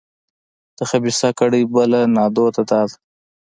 د خبیثه کړۍ بله نادوده دا ده.